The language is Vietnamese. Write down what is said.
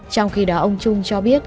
trong khi đó ông trung cho biết